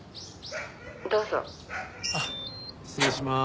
「どうぞ」失礼します。